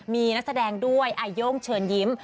มีนักแสดงด้วยอาโย่งเชิญยิ้ม